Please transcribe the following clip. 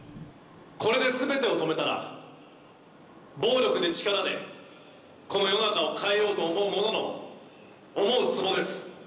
これですべてを止めたら、暴力で力で、この世の中を変えようと思う者の、思うつぼです。